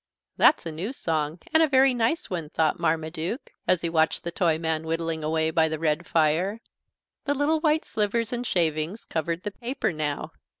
That's a new song and a very nice one, thought Marmaduke, as he watched the Toyman whittling away by the red fire. The little white slivers and shavings covered the paper now.